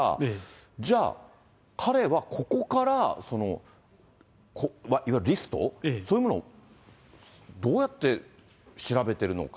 じゃあ、彼はここから、いわゆるリスト、そういうものをどうやって調べてるのか。